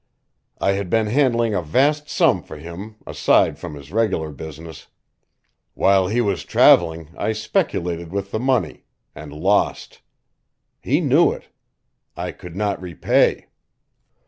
I had been handling a vast sum for him, aside from his regular business. While he was traveling, I speculated with the money and lost. He knew it. I could not repay.